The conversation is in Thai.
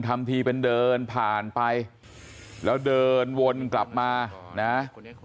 ทำทีเป็นเดินผ่านไปแล้วเดินวนกลับมานะ